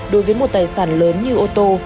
đối với một tài sản lớn như ô tô